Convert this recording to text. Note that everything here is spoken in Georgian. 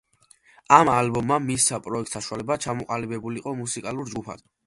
ამ ალბომმა მისცა პროექტს საშუალება ჩამოყალიბებულიყო მუსიკალურ ჯგუფად.